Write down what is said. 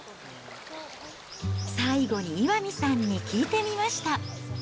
最後に岩見さんに聞いてみました。